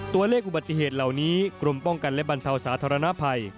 ตัวเลขอุบัติเหตุเหล่านี้กรมป้องกันและบรรเทาสาธารณภัย